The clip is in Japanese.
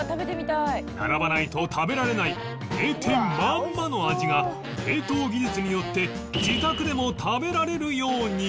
並ばないと食べられない名店まんまの味が冷凍技術によって自宅でも食べられるように！